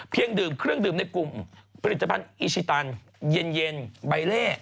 ดื่มเครื่องดื่มในกลุ่มผลิตภัณฑ์อีชิตันเย็นใบเล่